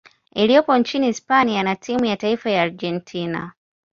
iliyopo nchini Hispania na timu ya taifa ya Argentina.